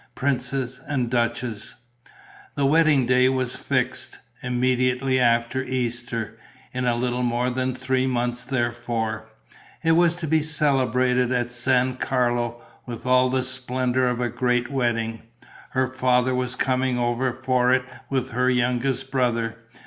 Princess and duchess! The wedding day was fixed: immediately after Easter, in a little more than three months therefore. It was to be celebrated at San Carlo, with all the splendour of a great wedding. Her father was coming over for it with her youngest brother.